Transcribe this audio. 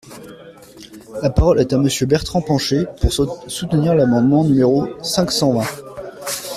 La parole est à Monsieur Bertrand Pancher, pour soutenir l’amendement numéro cinq cent vingt.